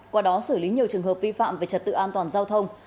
qua đó xử lý nhiều trường hợp vi phạm về trật tự an toàn giao thông